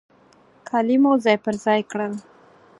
کالي مو ځای پر ځای کړل.